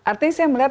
artinya saya melihat